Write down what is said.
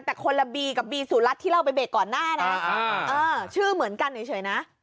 แต่คนละบีกับบีสุรัตน์ที่เราไปเบรกก่อนหน้านะชื่อเหมือนกันเฉยนะ